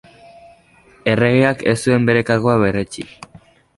Erregeak ez zuen bere kargua berretsi.